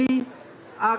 dan pelaku penyiraman